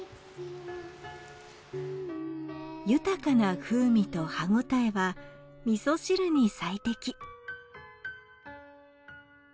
豊かな風味と歯応えはみそ汁に最適。